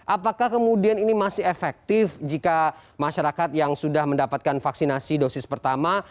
apakah kemudian ini masih efektif jika masyarakat yang sudah mendapatkan vaksinasi dosis pertama